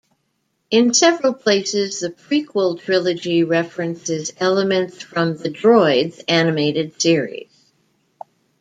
In several places, the prequel trilogy references elements from the "Droids" animated series.